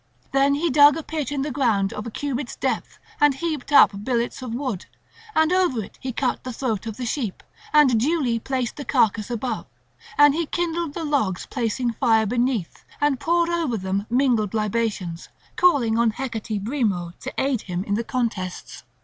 Then he dug a pit in the ground of a cubit's depth and heaped up billets of wood, and over it he cut the throat of the sheep, and duly placed the carcase above; and he kindled the logs placing fire beneath, and poured over them mingled libations, calling on Hecate Brimo to aid him in the contests.